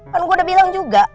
kan gue udah bilang juga